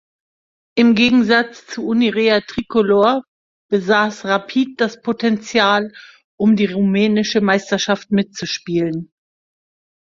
Im Gegensatz zu Unirea Tricolor besaß Rapid das Potenzial, um die rumänische Meisterschaft mitzuspielen.